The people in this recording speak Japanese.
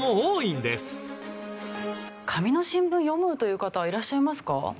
紙の新聞読むという方はいらっしゃいますか？